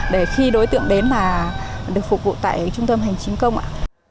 để khi đối tượng đến mà được phục vụ tại trung tâm hành chính công ạ